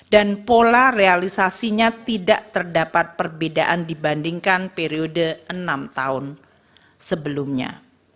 dan pola realisasinya tidak terdapat perbedaan dibandingkan periode enam tahun sebelumnya